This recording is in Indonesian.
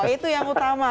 itu yang utama